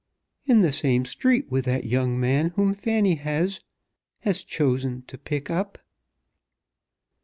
"In the same street with that young man whom Fanny has has chosen to pick up."